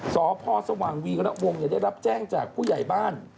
สพสว่างวีระวงได้รับแจ้งจากผู้ใหญ่บ้าน